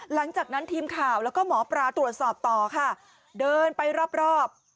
หลังจากนั้นทีมข่าวแล้วก็หมอปลาตรวจสอบต่อค่ะเดินไปรอบรอบ